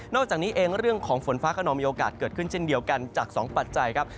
อกจากนี้เองเรื่องของฝนฟ้าขนองมีโอกาสเกิดขึ้นเช่นเดียวกันจาก๒ปัจจัยครับ